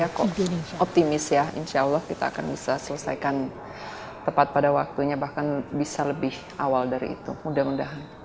saya kok optimis ya insya allah kita akan bisa selesaikan tepat pada waktunya bahkan bisa lebih awal dari itu mudah mudahan